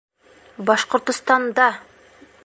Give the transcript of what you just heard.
Башҡортостанда!